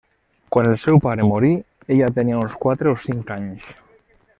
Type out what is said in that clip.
Quan el seu pare morí, ella tenia uns quatre o cinc anys.